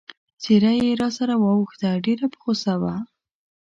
څېره يې سره واوښته، ډېره په غوسه وه.